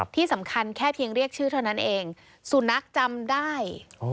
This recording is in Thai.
ที่สำคัญแค่เพียงเรียกชื่อเท่านั้นเองสุนัขจำได้